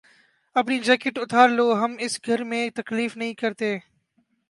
اپنی جیکٹ اتار لو۔ ہم اس گھر میں تکلف نہیں کرتے